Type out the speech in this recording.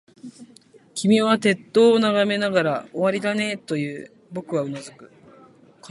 君は鉄塔を眺めながら、終わりだね、と言う。僕はうなずく。